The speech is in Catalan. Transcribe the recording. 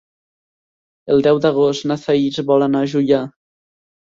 El deu d'agost na Thaís vol anar a Juià.